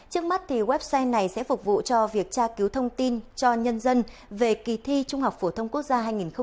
trước mắt website này sẽ phục vụ cho việc tra cứu thông tin cho nhân dân về kỳ thi trung học phổ thông quốc gia hai nghìn một mươi chín